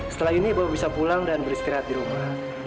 setelah ini bapak bisa pulang dan beristirahat di rumah